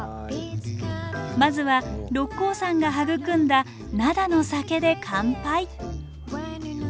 まずは六甲山が育んだ灘の酒で乾杯。